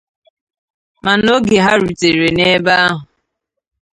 Mana oge ha rutere n'ebe ahụ